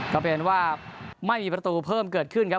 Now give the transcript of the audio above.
ก็เป็นว่าไม่มีประตูเพิ่มเกิดขึ้นครับ